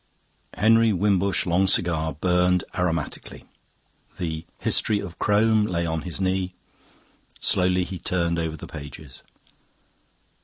Henry Wimbush's long cigar burned aromatically. The "History of Crome" lay on his knee; slowly he turned over the pages.